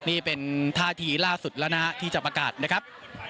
นี่เป็นท่าทีล่าสุดแล้วนะฮะที่จะประกาศนะครับ